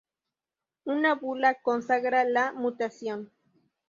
Una bula consagra la mutación.